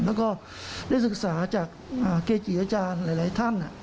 แล้วก็ได้ศึกษาจากเกจิอาจารย์หลายท่าน